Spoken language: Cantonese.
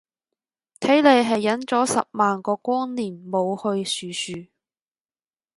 睇嚟係忍咗十萬個光年冇去殊殊